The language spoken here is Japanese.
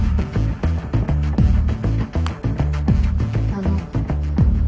あの。